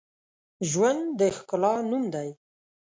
ژوند د ښکلا نوم دی